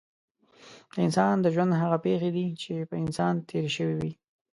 د انسان د ژوند هغه پېښې دي چې په انسان تېرې شوې وي.